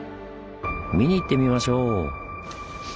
見に行ってみましょう！